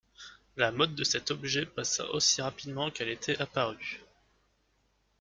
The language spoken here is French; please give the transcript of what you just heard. La mode de cet objet passa aussi rapidement qu'elle était apparue.